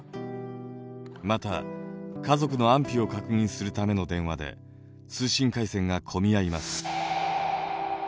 また家族の安否を確認するための電話で通信回線が混み合います。